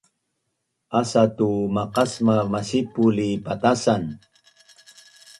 asa tu maqasmav masipul li patasan